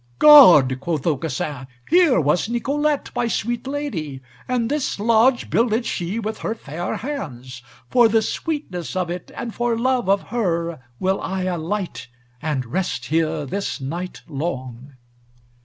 "God!" quoth Aucassin, "here was Nicolete, my sweet lady, and this lodge builded she with her fair hands. For the sweetness of it, and for love of her, will I alight, and rest here this night long."